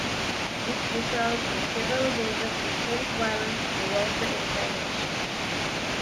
This results in several days of intense violence throughout the entire nation.